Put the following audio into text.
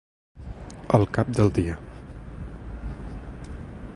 Al cap del dia.